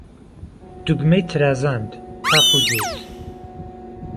دوگمەی ترازاند تاق و جووت